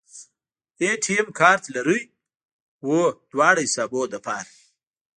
اے ټي ایم کارت لرئ؟ هو، دواړو حسابونو لپاره